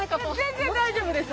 全然大丈夫です。